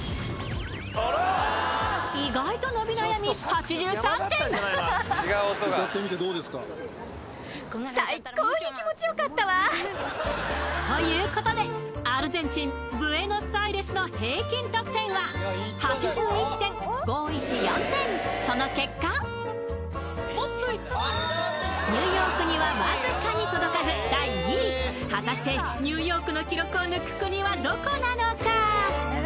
意外と伸び悩み８３点ということでその結果ニューヨークにはわずかに届かず第２位果たしてニューヨークの記録を抜く国はどこなのか？